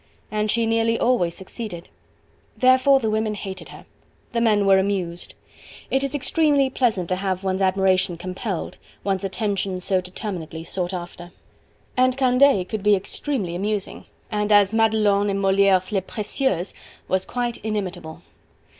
And she nearly always succeeded. Therefore the women hated her. The men were amused. It is extremely pleasant to have one's admiration compelled, one's attention so determinedly sought after. And Candeille could be extremely amusing, and as Magdelon in Moliere's "Les Precieuses" was quite inimitable.